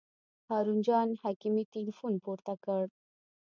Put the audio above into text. هارون جان حکیمي تیلفون پورته کړ.